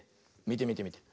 みてみてみて。